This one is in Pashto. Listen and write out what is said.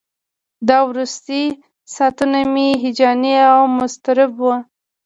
دا وروستي ساعتونه مې هیجاني او مضطرب وو.